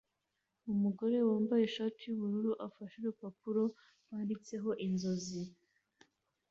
Umugore wambaye ishati yubururu afashe urupapuro rwanditseho inzozi